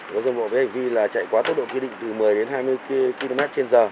nó dùng bộ phía hành vi là chạy quá tốc độ quy định từ một mươi đến hai mươi km trên giờ